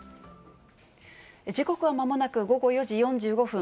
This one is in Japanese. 時刻はまもなく午後４時４５分。